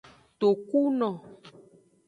Tokuno.